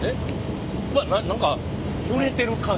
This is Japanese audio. うわっ何かぬれてる感じ。